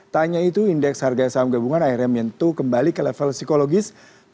tanya itu indeks harga saham gabungan akhirnya menyentuh kembali ke level psikologis